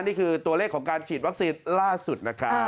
นี่คือตัวเลขของการฉีดวัคซีนล่าสุดนะครับ